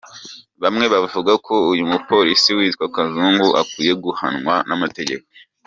Bamwe bavuga ko uyu mupolisi witwa Kazungu akwiye guhanwa n’amategeko.